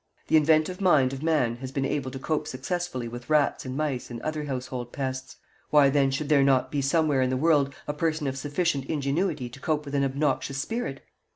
The inventive mind of man has been able to cope successfully with rats and mice and other household pests. Why, then, should there not be somewhere in the world a person of sufficient ingenuity to cope with an obnoxious spirit?